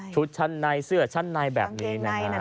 ชุดชั้นในเสื้อชั้นในแบบนี้